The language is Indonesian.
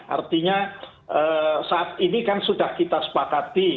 artinya saat ini kan sudah kita sepakati